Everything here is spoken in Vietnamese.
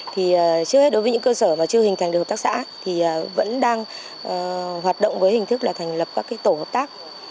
thì trước hết đối với những cơ sở mà chưa hình thành được hợp tác xã thì vẫn đang hoạt động với hình thức là thành lập các tổ hợp tác